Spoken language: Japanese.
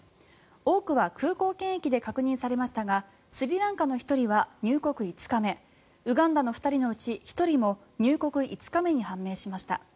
多くは空港検疫で確認されましたがスリランカの１人は入国５日目ウガンダの２人のうち１人も入国５日目に判明しました。